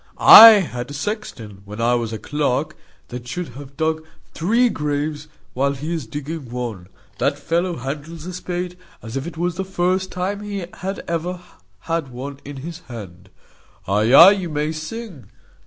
I had a sexton, when I was clerk, that should have dug three graves while he is digging one. The fellow handles a spade as if it was the first time he had ever had one in his hand. Ay, ay, you may sing.